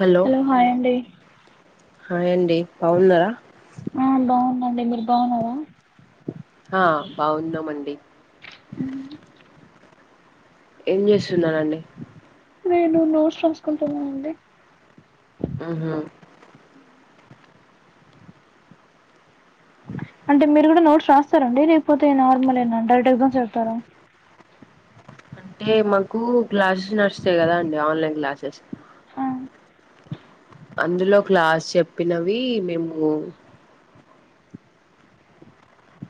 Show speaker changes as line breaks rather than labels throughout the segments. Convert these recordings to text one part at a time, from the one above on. Hello
hi అండి
hi అండి బావున్నారా!
ఆ బావున్నండి. మీరు బావున్నారా!
ఆ బావున్నమండి.
ఉ ఊ
ఏం జేస్తున్నరండి.
నేను నోట్స్ రాసుకుంటున్నానండి.
ఆహ
అంటే మీరు గూడ నోట్స్ రాస్తారా అండి లేకపోతే నార్మలేనా డైరెక్ట్ ఎగ్జామ్స్ జరుపుతారా!
అంటే మాకు క్లాసెస్ నడుస్తాయి గదా అండి ఆన్లైన్ క్లాసెస్
ఆ
అందులో క్లాస్ చెప్పినవి మేము.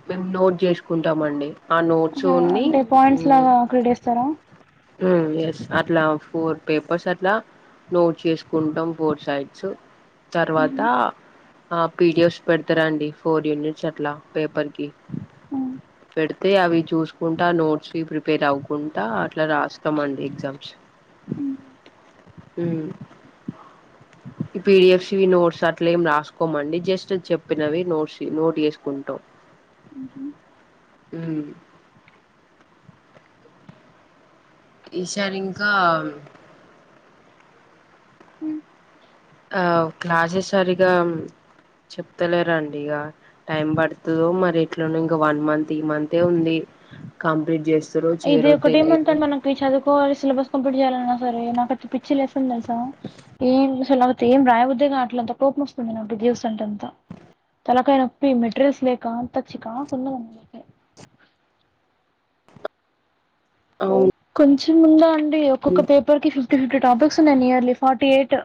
మేము నోట్ జేసుకుంటామండీ ఆ నోట్స్ ఓన్లీ ఊ
అంకుల్ డేస్తారా
ఉ ఎస్ అట్లా ఫోర్ పేపర్స్ అట్లా నోట్ చేసుకుంటాం ఫోర్ సైడ్స్ తర్వాత ఆ పీడిఎఫ్స్ పెడతారాండి ఫోర్ యూనిట్స్ అట్లా పేపర్కి అయితే అవి చూసుకుంటా నోట్స్ ప్రిపేర్ అవ్వుకుంటా అట్లా రాస్తాండి ఎగ్జామ్స్ ఉమ్ ఈ పిడిఎఫ్సివి నోట్స్ అట్లేం రాసుకోమండి జస్ట్ చెప్పినవి నోట్స్ నోట్ చేసుకుంటాం
ఉహు
ఉ ఈసారి ఇంకా ఆ క్లాసే సరిగా చెప్తలేరండి ఇగ టైం పడుతుందో మరి ఎట్లానో ఇంక వన్ మంత్, ఈ మంత్ఎ ఉంది కంప్లీట్ చేస్తు ఈ రోజు ఏ రోజో తెలియదు [unintelligible]
పోయి చదువుకోవాలి సిలబస్ కంప్లీట్ చేయాలన్నా సరే నాకయితే పిచ్చి లెస్తది తెలుసా ఏం అసలపోతే ఏం రాయబ [unintelligible] గా అట్లంత కోపం వస్తుందిడు దీస్ అంటేంత తలకాయినోప్పి మెటీరియల్స్ లేక అంత చికాకు ఉన్నదండి
అవును
కొంచెం ఉన్నదాఅండి ఒక్కొక్క పేపర్ కి ఫిఫ్టీ ఫిఫ్టీ టాపిక్స్ ఉన్నాయి నియర్లీ ఫార్టీ ఎయిట్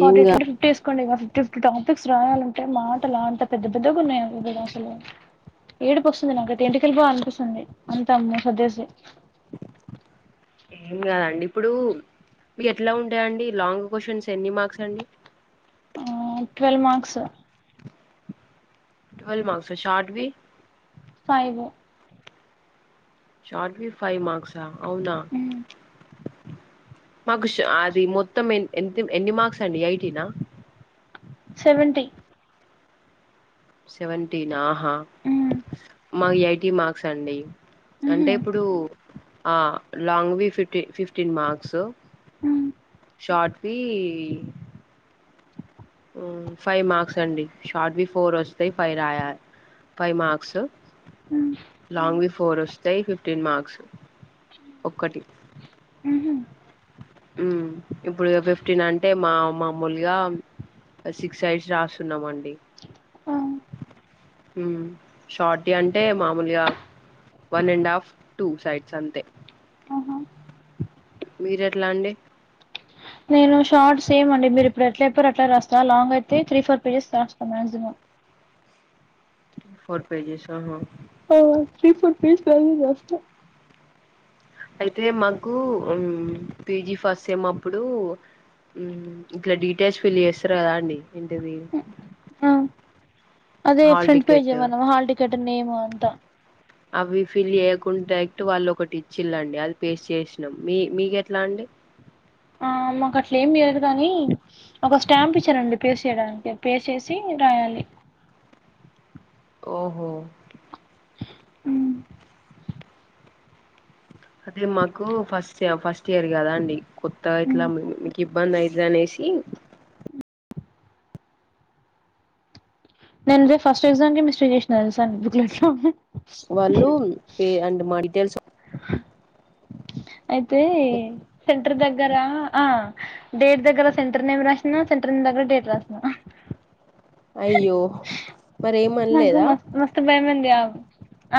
ఏం
ఫార్టీ ఎయిట్
కా
అంటే ఫిఫ్టీ వేసుకోండి ఇగ ఫిఫ్టీ టాపిక్స్ రాయాలం అంటే మాటలా అంతా పెద్ద పెద్దగా ఉన్నాయి అవి అసలు ఏడుపువస్తుంది నాకైతే ఇంటికెళ్ళిపోవాలనిపిస్తుంది అంతా సర్దసి
ఏం కాదండి ఇప్పుడు మీ ఎట్లా ఉంటాయండి లాంగ్ క్వశ్చన్స్ ఎన్ని మార్క్స్ అండి
అ ట్వెల్వ్ మార్క్స్
ట్వల్ మార్క్స్ అ షార్ట్వి
ఫైవ్
షార్ట్వి ఫైవ్ మార్క్స్అ అవునా మాకు అది మొత్తం ఎ ఎన్ని మార్క్స్ అండి ఏయిటి నా
సెవెంటీన్
సెవెంటీన్ ఆహ మాకు ఎయిటీ మార్క్స్ అండి అంటే ఇప్పుడు అ లాంగ్ వి ఫిఫ్టీ ఫిఫ్టీన్ మార్క్స్ షార్ట్ వీ ఉ ఫైవ్ మార్క్స్ అండి షార్ట్ వి ఫోర్ వస్తే ఫైవ్ రాయాలే ఫైవ్ మార్క్స్ లాంగ్ వి ఫోర్ వస్తాయి ఫిఫ్టీన్ మార్క్స్ ఒక్కటి
ఉహు
ఉ ఇప్పుడు ఫిఫ్టీన్ అంటే మా మామూలుగా సిక్స్ ఐడ్స్ రాస్తున్నామండి ఉ షార్టియి అంటే మామూలుగా one and half two sides అంతే మీరు ఎట్లా అండి
నేను షార్ట్ సేమ్ అండి మీరు ఇప్పుడు ఎట్ల చేప్పరో అట్లా రాస్తా లాంగ్ అయితే త్రీ ఫోర్ పేజెస్ రాస్తాను మయాక్సిమమ్
ఫోర్ పేజెస్ అహ
ఓ స్్రీ ఫుడ్ పీస్స్త [unintelligible]
అయితే మాకు పీజి ఫస్ట్ సేమ్ మప్పుడు ఉ ఇట్లా డీటెయిల్స్ ఫిల్ చేస్తారు కదా అండి ఎంటిది హల్ టికెట్
ఇక్కడనేమో అంతా
అవి ఫిల్ చేయ్యకుండా డైరక్ట్ వాళ్ళు ఒకటి ఇచ్చిల్లండి అది పేస్ట్ చేసినాం మీ మీకు ఎట్లా అండి
ఆ మాకు అట్లే ఏమి లేదు కానీ ఒక స్టాంప్ ఇచ్చారండి పేస్ స్ట్ చేయడానికి పేస్ట్ చేసి రాయాలి
ఓహో
హు
అదే మాకు ఫస్ట్ ఫస్ట్ ఇయర్ కదా అండి కొత్తగా ఇట్లా మీకు ఇబ్బంది అయితది అనేసి
అ నేను పోయి ఫస్ట్ ఎగ్జామ్ కి మిస్ట్రీ చేసినా తెలుసా బుక్ లేట్ లో
వాళ్ళు పే అండ్ మా డీటెయిల్స్
అయితే సెంటర్ దగ్గరా ఆ డేట్ దగ్గర సెంటర్ నేమ్ రాసిన, సెంటర్ నేమ్ దగ్గర డేట్ రాసినా.
అయ్యో మరి
నాకు
ఏమనలేదా
మస్తు మస్తు భయమంది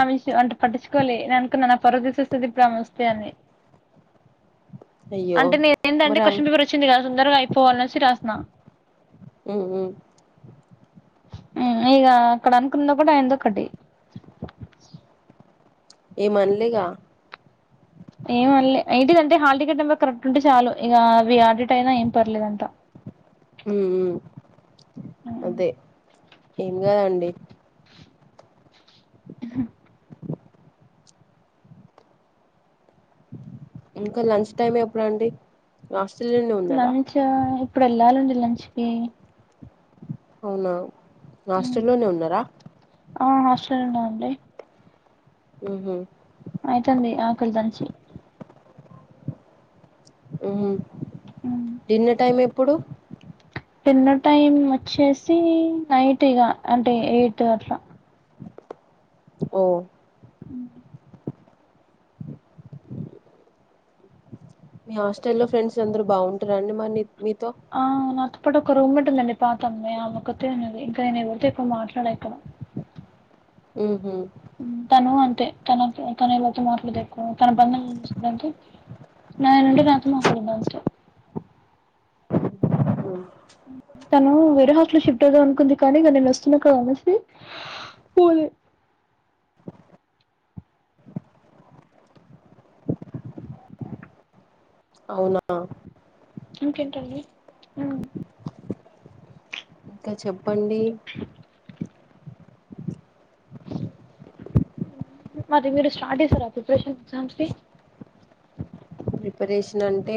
ఆమెషూ అంట పట్టించుకోలే నేననుకున్న నా పరువు తీసేస్త ఆమె వస్తే అని
[inaudible] అయ్యో
అంటే నేను
మరి
ఎందంటే
అమ్
క్యూషన్ పేపర్ వచ్చింది కదా తొందరగా అయిపోవాల అనేసి రాస్తున్నా
హు హ్
హు ఇగ అక్కడ అనుకున్న ఒకటి అయ్యింది ఒకటి
ఏం అనలేగా
ఏం అనలే ఏంటిది అంటే హాల్టికెట్ నెంబర్ కరక్ట్ ఉంటే చాలు, ఇగ అవి అటు ఇటు అయినా ఏం పర్లేదు అంట.
మ్మ్ హు అంతే ఏం కాదండి ఇంకా లంచ్ టైమ్ ఎప్పుడు అండి ఇంక హాస్టల్ లోనే ఉన్నారా
యా ఇప్పుడు వెళ్ళాలండి లంచ్ కి
అవునా హాస్టల్ లోనే ఉన్నారా
ఆ హాస్టల్ లోనే అండి
హు హ్
అయితంది ఆకలి దంచి
డిన్నర్ టైం ఎప్పుడు
డిన్నర్ టైం వచ్చేసి నైట్ ఇగ అంటే ఎయిట్ అట్ల
ఓ
హ్
మీ హాస్టల్ లో ఫ్రెండ్స్ అందరు బాగుంటార అండి మరి మీతో
ఆ నాక్ అప్పటి ఒక రూమ్ ఉందండి పాత అమ్మాయి ఆమె ఒకతే ఉన్నది ఇంకా నేను ఎవరితో ఎకువ మాట్లాడక్క.
మ్మ్ హు
హు తను అంతే తన తను ఎలాతో మాట్లు తెప్పు తన పని తను చూసుకుంటూ అంటే. నా నుండి నాతో [unintelligible]
అ
తను వేరే హాస్టల్ లో షిఫ్ట్ అవుదాం అనుకుంది, కానీ ఇక నేను వస్తున్నా కా అనేసి పోలే.
అవునా
ఇంకేంటి అండి
ఇంకా చెప్పండి
మరి మీరు స్టార్ట్ చేసారా ప్రిపరేషన్ ఎగ్జామ్స్ కి
ప్రిపరేషన్ అంటే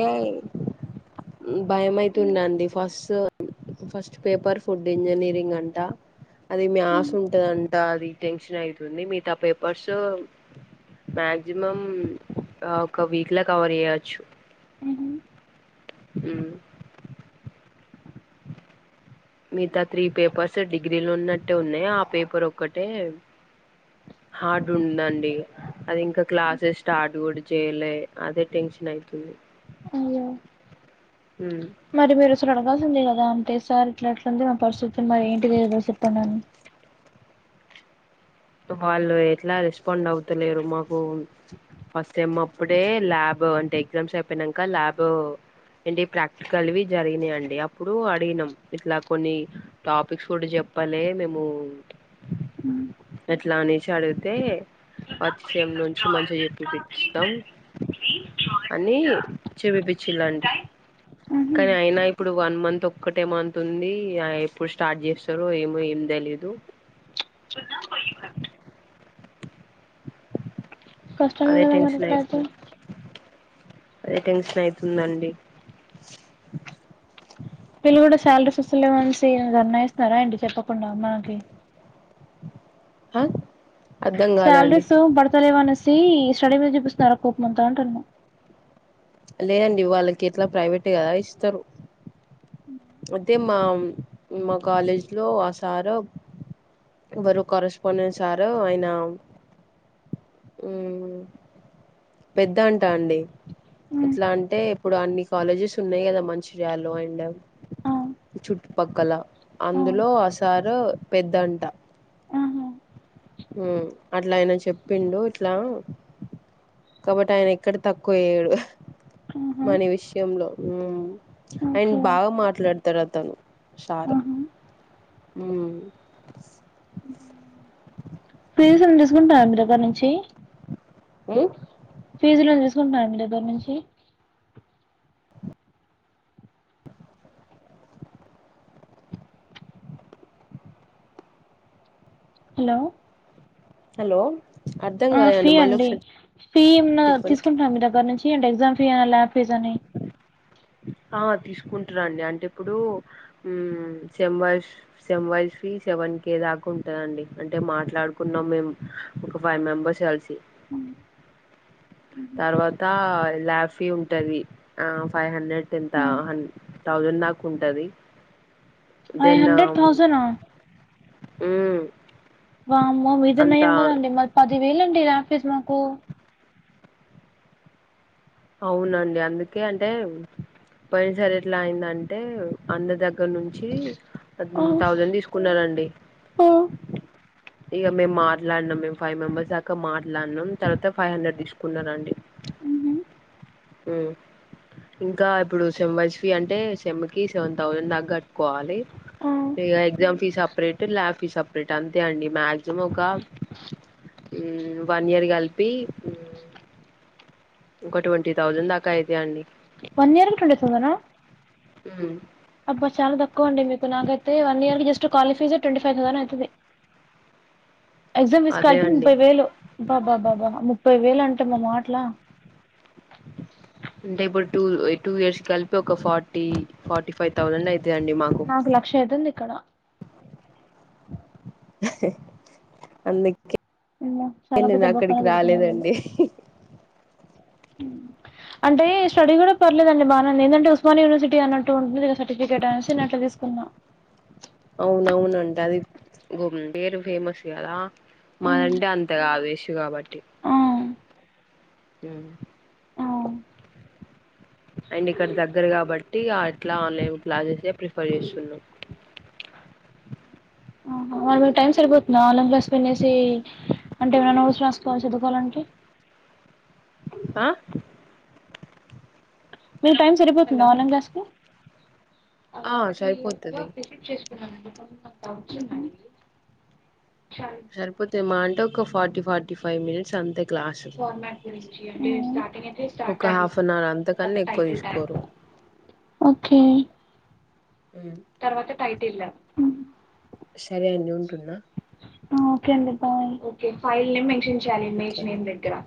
భయం అయితుడండి first first paper food engineering అంట అది మ్యాస్ ఉంటదన్ ట అది టెన్షన్ అయితుంది మిగతా పేపర్స్ మాక్సిమం ఒక వీక్ లా కవర్ చేయచ్చు
మ్మ్ఉమ్మ్
ఉమ్మ్ మిగతా త్రీ పేపర్స్ డిగ్రీలో ఉన్నట్టే ఉన్నాయి ఆ పేపర్ ఒక్కటే హార్డ్ ఉందండి అది ఇంకా క్లాసెస్ స్టార్ట్ కూడా చేయలే అదే టెన్షన్ అయితుంది
అయ్యో
ఉమ్
మరి మీరు అసలు అడగాల్సిందే కదా అంటే సార్ట్ ఇట్లిట్లుంది మా పరిస్థితి మరి ఏంటి లేదో చెప్పండి అని
వాళ్ళు ఎట్లా రెస్పాండ్ అవుతలేరు మాకు ఫస్ట్ సెమ్ అప్పుడే ల్యాబ్ అంటే ఎగ్జామ్స్ అయిపోయినాంక ల్యాబ్ ఎండి ప్రాక్టికల్‌వి జరిగినాయి అండి అప్పుడు అడిగినం ఇట్లా కొన్ని టాపిక్స్ కూడా చెప్పాలే మేము
ఉమ్
ఎట్లా అనేసి అడిగితే ఫస్ట్ సేమ్ నుంచి మంచిగా చెప్పిపిచ్చినం అని చేపిపిచ్చిలండి కానీ అయినా ఇప్పుడు వన్ మంత్ ఒక్కటే మంత్ ఉంది ఆ ఎప్పుడు స్టార్ట్ చేస్తారో ఏమో ఏం తెలిదు
కష్టమే
అదే
కదా మరి
టెన్షన్
ఇట్లా అయితే
అయితుంది అదే టెన్షన్ అయితుందండి
వీళ్లు కూడా శాలరీస్ వస్తలేవనేసి ధర్నా చేస్తున్నార ఏంటి చెప్పకుండా మనకి
ఆ
శాలరీస్ పడతలేవనేసి స్టడీ మీద చూపిస్తున్నారా కోపమంతా అంటున్న
లేదండి వాళ్ళకి ఎట్లా ప్రైవేట్ కదా ఇస్తారు వద్దే మా మా కాలేజ్‌లో ఆ సారు ఎవరు కరస్పాండెంట్ సారు ఆయన ఉమ్మ్ పెద్దంటా అండి ఇట్లా
అంటున్నా
అంటే ఇప్పుడు అన్ని కాలేజెస్ ఉన్నాయి కదా మంచిర్యాలో అండ్ చుట్టుపక్కల
ఆ
అందులో ఆసారు పెద్దంట
ఆహా
ఉమ్మ్ అట్లా ఆయన చెప్పిండు ఇట్లా కాబట్టి ఆయన ఎక్కడ తక్కువ ఏయ్యాడు
ఆహా
మనీ విషయంలో ఉమ్మ్ అండ్
ఓకే
బాగా మాట్లాడుతాడు అతను సారు
ఆహా
ఉమ్
ఫీజులు తీసుకుంటారా మీ దగ్గర నుంచి
ఏ
ఫీజులనీ తీసుకుంటున్నారా మీ దగ్గర నుంచి హలో
హలో అర్ధం
ఆ ఫీ
కాలేదండి మళ్ళీ
అండి
ఒకసారి
ఫీ ఏమన్న
చెప్పండి
తీసుకుంటున్నారా మీ దగ్గర నుంచి అంటే ఎగ్జామ్ ఫీ అని ల్యాబ్ ఫీజ్ అని
ఆ తీసుకుంటారండి అంటే ఇప్పుడు ఉమ్మ్ sem wise sem-wise fee seven K దాకా ఉంటదండి అంటే మాట్లాడుకున్నాం మేం ఒక ఫైవ్ మెంబర్స్ కలిసి
ఉమ్
తర్వాత లాబ్ ఫీ ఉంటది ఆ ఫైవ్ హండ్రెడ్
ఆ!
టెంతా హం థౌజండ్ దాకా ఉంటది
ఫైవ్ హండ్రెడ్
దినం
థౌసండ్ ఆ
ఉమ్మ్
వామ్మో మీదే నయం కదండి మది పది వేలండి ల్యాబ్ ఫీజ్ మాకు
అవునండి అందుకే అంటే పోయిన సరీ ఎట్లా అయిందంటే అన్న దగ్గర నుంచి థౌజండ్ తీసుకు ఉండదండి ఇగా మేము మాట్లాడినాం మేము ఫైవ్ మెంబర్స్ దాకా మాట్లాడినాం తర్వాత ఫైవ్ హండ్రెడ్ తీసుకున్నరు అండి ఉమ్ ఇంకా ఇప్పుడు సెమ్ వైస్ ఫీ అంటే సేమ్ కి సెవెన్ థౌజండ్ దాకా కట్టుకోవాలి. ఇగా exam fee separate lab fee separate అంతే అండి మ్యాక్సిమం ఒక హ్ వన్ ఇయర్ కలిపి ఉమ్, ఒక ట్వంటీ థౌజండ్ దాకా అయితయి అండి
వన్ ఇయర్ కు ట్వంటీ తౌసండ్ హా
హ్
అబ్బ చాలా తక్కువ అండి మీకు నాగైతే వన్ ఇయర్ జస్ట్ కాలేజ్ ఫీజే ట్వంటీ ఫైవ్ థౌసండ్ అయి తది ఎగ్జామ్ ఫీజు అన్ని
అదే
కలిపి
అండి
ముప్పై వేలు అబ్బబ్బ ముప్పై వేలు అంటే మా మాటలా
అంటే ఇప్పుడు టూ టూ ఇయర్స్ కి కలిపి ఒక ఫార్టీ ఫార్టీ ఫైవ్ థౌజండ్ అయితయి అండి మాకు
క్షేదంది ఇక్కడ
అందుకే
అమ్మో చాలా
నేను
పెద్ద బొక్కన
అక్కడికి
పెడుతున్నారు వీళ్ళు
రాలేదండి.
అంటే స్టడీ కూడా పర్లేదుదండి. బానేంది ఏందంటే ఉస్మానియ యూనివర్సిటీ అన్నట్టు ఉంటుంది. సర్టిఫికేట్ అనేసి నేను అట్లా తీసుకున్న
అవును అవును అండి అది గుందేరు ఫేమస్ గా
మ్మ్
మదంటే అంత కాదు [unintelligible] కాబట్టి
ఆ
హ్
ఆ
అండ్ ఇక్కడ దగ్గర కాబట్టి ఆ అట్లా ఆన్లైన్ క్లాసెస్ ప్రిఫర్ చేస్తున్నాం
ఆహా మరి మీకు టైమ్ సరిపోతుందా ఆన్లైన్ క్లాస్ వినేసి అంటె ఏమయినా నోట్స్ రాసుకోవాలి చదువుకోవలి అంటే
ఆ
మీ టైం సరిపోతుంద ఆన్లైన్ క్లాస్ కి ంత
ఆ సరిపోతది
వచ్చిందం చర
సరిపోతే మాహ అంటే ఒక ఫార్టీ ఫార్టీ ఫైవ్ మినిట్స్ అంతే క్లాస్ ఒక హాఫ్ అన్ అవర్ అంతకన్నా ఎక్కువ తీసుకోరు
ఓకే
హ్
తర్వాత టైటీళ్ళు
సరే అండి ఉంటున్నా
ఓకే అండి bye okay file name mention చేయాలి.
ఓకే
ఇమేజ్
అండి
నేమ్ దగ్గర